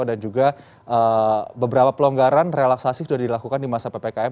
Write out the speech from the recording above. dan juga beberapa pelonggaran relaksasi sudah dilakukan di masa ppkm